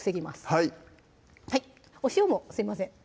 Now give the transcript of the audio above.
はいお塩もすいません